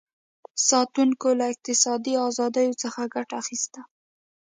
ساتونکو له اقتصادي ازادیو څخه ګټه اخیسته.